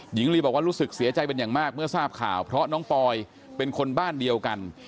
หญิงลีบอกว่ารู้สึกเสียใจเป็นอย่างมากเมื่อทราบข่าวเพราะน้องปอยเป็นคนบ้านเดียวกัน